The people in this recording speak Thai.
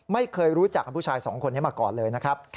ไม่เคยรู้จักกับผู้ชายสองคนนี้มาก่อนเลยนะครับ